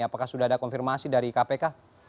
apakah sudah ada konfirmasi dari kpk